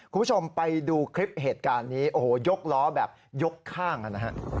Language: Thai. คุณผู้ชมไปดูคลิปเหตุการณ์นี้โอ้โหยกล้อแบบยกข้างกันนะฮะ